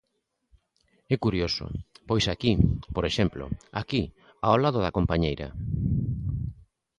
É curioso, pois aquí, por exemplo, aquí ao lado da compañeira.